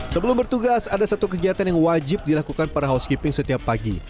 sebelum bertugas ada satu kegiatan yang wajib dilakukan para housekeeping setiap pagi